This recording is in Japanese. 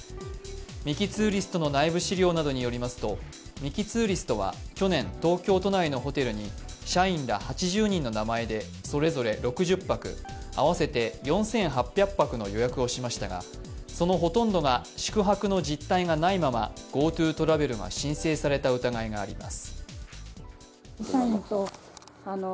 ミキ・ツーリストの内部資料などによりますと、ミキ・ツーリストは去年、東京都内のホテルに社員ら８０人の名前でそれぞれ６０泊、合わせて４８００泊の予約をしましたが、そのほとんどが宿泊の実態がないままＧｏＴｏトラベルが申請された疑いがあります。